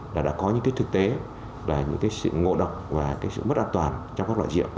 là đã có những cái thực tế về những cái sự ngộ độc và cái sự mất an toàn trong các loại rượu